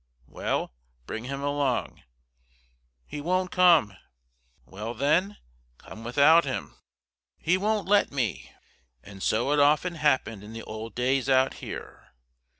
"Well, bring him along." "He won't come." "Well, then, come without him." "He won't let me." And so it often happened in the old days out here.